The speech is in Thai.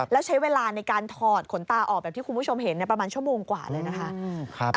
แล้วใช้เวลาในการถอดขนตาออกแบบที่คุณผู้ชมเห็นประมาณชั่วโมงกว่าเลยนะคะ